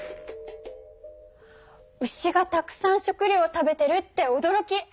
牛がたくさん食料食べてるっておどろき！